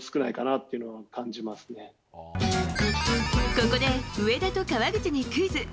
ここで上田と川口にクイズ！